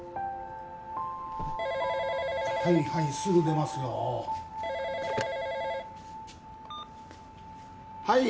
はいはいすぐ出ますよはい